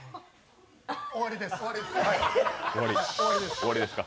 終わりですか？